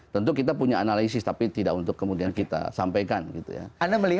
tentu kita punya analisis tapi tidak untuk kemudian kita sampaikan gitu ya